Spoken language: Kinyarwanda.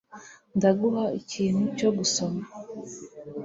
Ndaguha ikintu cyo gusoma?